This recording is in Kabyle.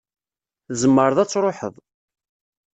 Tzemreḍ ad truḥeḍ.